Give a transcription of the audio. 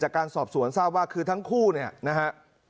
การสอบสวนทราบว่าคือทั้งคู่เนี่ยนะฮะ